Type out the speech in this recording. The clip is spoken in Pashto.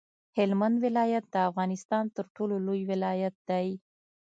هلمند ولایت د افغانستان تر ټولو لوی ولایت دی.